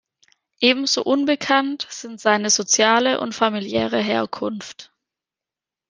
Ebenso unbekannt sind seine soziale und familiäre Herkunft.